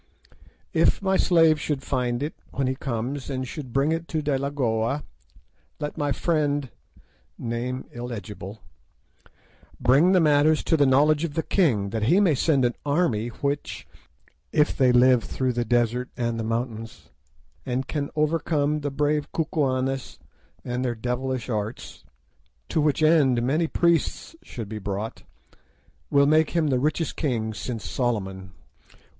If my slave should find it when he comes, and should bring it to Delagoa, let my friend (name illegible) bring the matter to the knowledge of the king, that he may send an army which, if they live through the desert and the mountains, and can overcome the brave Kukuanes and their devilish arts, to which end many priests should be brought, will make him the richest king since Solomon.